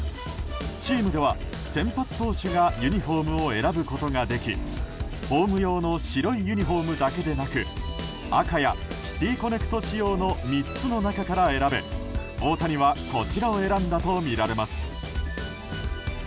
チームでは先発投手がユニホームを選ぶことができホーム用の白いユニホームだけでなく赤やシティ・コネクト仕様の３つの中から選べ大谷はこちらを選んだとみられます。